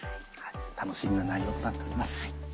楽しみな内容となっております。